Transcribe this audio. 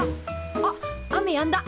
あっ雨やんだ。